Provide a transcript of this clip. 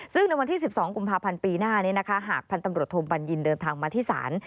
ซึ่งในวันที่๑๒กุมภาพันธ์ปีหน้านี้นะคะหากพันธ์ตำรวจโทบัญญินเดินทางมาที่ศาล